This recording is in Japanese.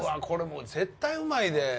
これもう絶対うまいで。